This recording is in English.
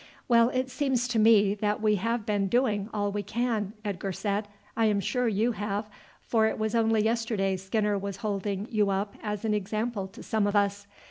"Well, it seems to me that we have been doing all we can," Edgar said. "I am sure you have, for it was only yesterday Skinner was holding you up as an example to some of us.